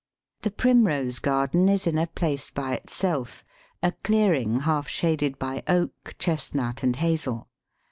The Primrose garden is in a place by itself a clearing half shaded by Oak, Chestnut, and Hazel.